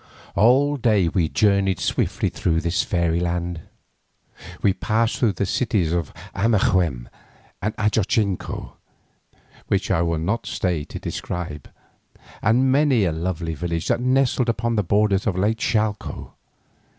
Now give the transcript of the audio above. All day we journeyed swiftly through this fairy land. We passed through the cities of Amaquem and Ajotzinco, which I will not stay to describe, and many a lovely village that nestled upon the borders of Lake Chalco.